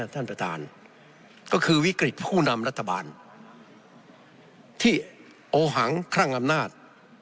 ท่านประธานก็คือวิกฤตผู้นำรัฐบาลที่โอหังคลั่งอำนาจ